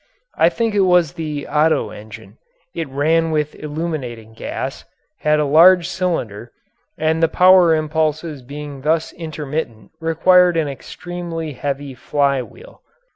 I think it was the Otto engine. It ran with illuminating gas, had a single large cylinder, and the power impulses being thus intermittent required an extremely heavy fly wheel.